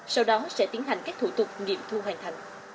sau đó sẽ tiến hành các thủ tục nghiệm thu hoàn thành